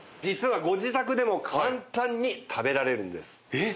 えっ？